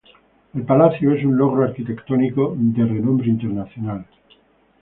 El palacio es un logro arquitectónico de renombre internacional.